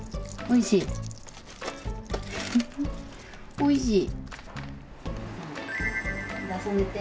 おいしい？